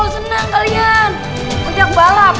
senang kalian ujian balap